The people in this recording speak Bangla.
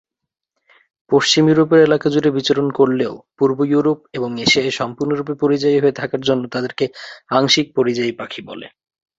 পশ্চিম ইউরোপের এলাকা জুড়ে বিচরণ করলেও পূর্ব ইউরোপ এবং এশিয়ায় সম্পূর্ণরূপে পরিযায়ী হয়ে থাকার জন্য, তাদেরকে আংশিক পরিযায়ী পাখি বলে।